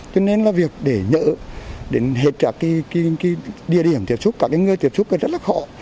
cho nên là việc để nhỡ để hết trả cái địa điểm tiếp xúc cả cái người tiếp xúc là rất là khó